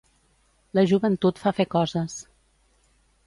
La joventut fa fer coses.